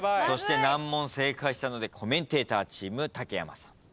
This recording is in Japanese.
そして難問正解したのでコメンテーターチーム竹山さん。